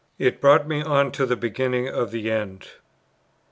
It brought me on to the beginning of the end.